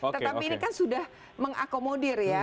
tetapi ini kan sudah mengakomodir ya